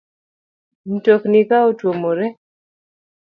Mtokni ka otuomore, l